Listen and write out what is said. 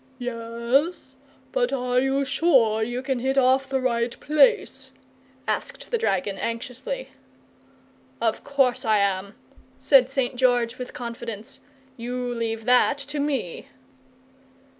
"Yes, but are you sure you can hit off the right place?" asked the dragon, anxiously. "Of course I am," said St. George, with confidence. "You leave that to me!"